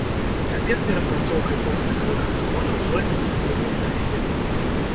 Цяпер перапрацоўкай пластыкавых адыходаў зоймецца прыватная фірма.